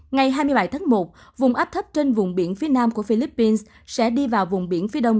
ngày hai mươi bảy tháng một vùng áp thấp trên vùng biển phía nam của philippines sẽ đi vào vùng biển phía đông